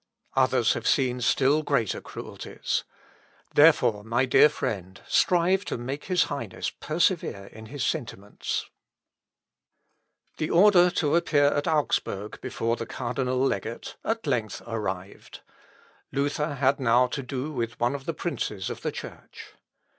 Others have seen still greater cruelties. Therefore, my dear friend, strive to make his Highness persevere in his sentiments." Jen. Aug. i, p. 384. The order to appear at Augsburg before the cardinal legate at length arrived. Luther had now to do with one of the princes of the Church.